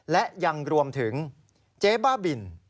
และยังรวมถึงเจ๊บ้าบิน